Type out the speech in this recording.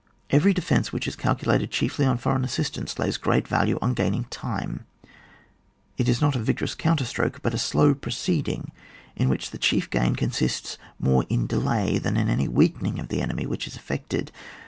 Every defence which is calculated chiefly on foreign assistance lays great value on gaining time ; it is not a vigorous counterstroke, but a slow pro ceeding, in which the chief gain consists more in delay than in any weakening of the enemy which is effected.